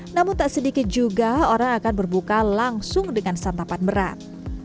namun tak sedikit juga orang akan berbuka langsung dengan santapan berat